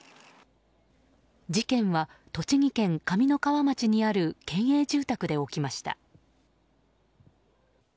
事件は栃木県上三川町にある県営住宅で起きました。